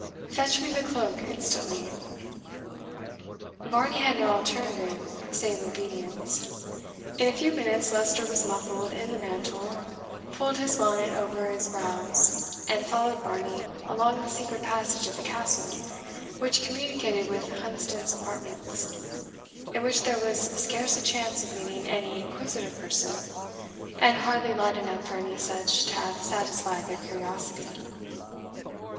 Fetch me the cloak instantly." Varney had no alternative save obedience. In a few minutes Leicester was muffled in the mantle, pulled his bonnet over his brows, and followed Varney along the secret passage of the Castle which communicated with Hunsdon's apartments, in which there was scarce a chance of meeting any inquisitive person, and hardly light enough for any such to have satisfied their curiosity.